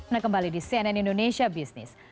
nah kembali di cnn indonesia business